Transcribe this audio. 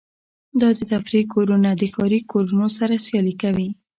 دا د تفریح کورونه د ښاري کورونو سره سیالي کوي